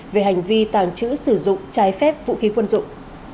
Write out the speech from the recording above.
về hành vi tàng trữ sử dụng trái phép vũ khí quân dụng